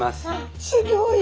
すギョい！